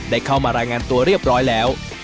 ได้เข้ามารายงานตัวเรียบร้อยแล้ว